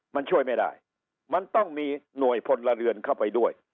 มันช่วยไม่ได้มันต้องมีหน่วยพลเรือนเข้าไปด้วย